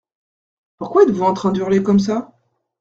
Pourquoi êtes-vous en train d’hurler comme ça ?